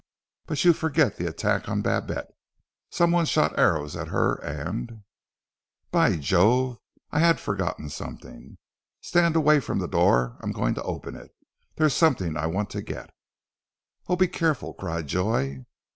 "But you forget the attack on Babette! Some one shot arrows at her and " "By Jove! I had forgotten something! Stand away from the door. I'm going to open it. There's something I want to get." "Oh, be careful!" cried Joy.